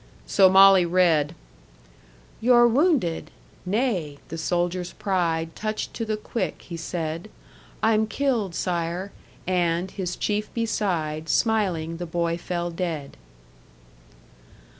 So Molly read: "'You're wounded! 'Nay,' the soldier's pride Touched to the quick, he said, 'I'm killed, sire!' And, his chief beside, Smiling the boy fell dead."